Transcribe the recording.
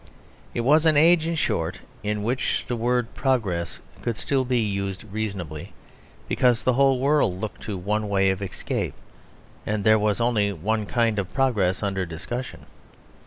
It was an age, in short, in which the word "progress" could still be used reasonably; because the whole world looked to one way of escape and there was only one kind of progress under discussion.